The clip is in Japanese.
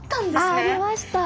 そう！ありました。